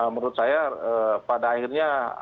menurut saya pada akhirnya